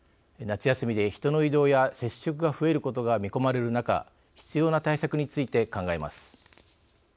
夏休みで人の移動や接触が増えることが見込まれる中必要な対策について考えます。